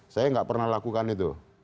saya nggak pernah lakukan itu